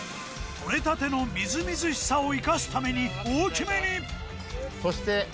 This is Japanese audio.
とれたてのみずみずしさを生かすために大きめに！